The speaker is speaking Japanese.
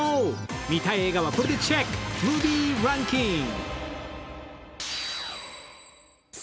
見たい映画はこれでチェックムービーランキング！